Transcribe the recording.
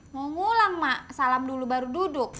mau ngulang mak salam dulu baru duduk